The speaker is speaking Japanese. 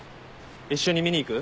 一緒に見に行く？